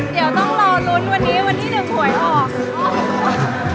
เดี๋ยวต้องรอรุ้นวันนี้เดี๋ยวหวยหอก